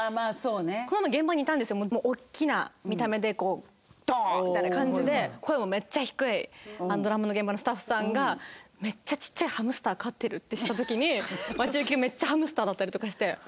大きな見た目でドーンみたいな感じで声もめっちゃ低いドラマの現場のスタッフさんがめっちゃちっちゃいハムスター飼ってるって知った時に待ち受けめっちゃハムスターだったりとかして。